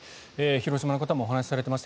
広島の方もお話しされていました。